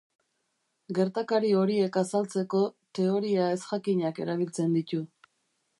Gertakari horiek azaltzeko, teoria ezjakinak erabiltzen ditu.